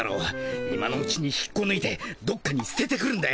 今のうちに引っこぬいてどっかにすててくるんだよ。